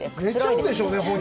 寝ちゃうでしょうね。